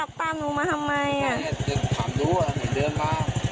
อุ้ยทีนี้มันน่ากลัวเหลือเกินค่ะ